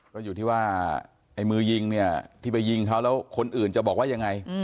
ก็อยู่ที่ว่าไอ้มือยิงเนี่ยที่ไปยิงเขาแล้วคนอื่นจะบอกว่ายังไง